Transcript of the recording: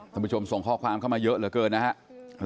ผู้ชมส่งข้อความเข้ามาเยอะเหลือเกินนะครับ